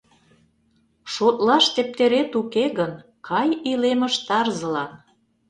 Шотлаш тептерет уке гын, кай илемыш тарзылан.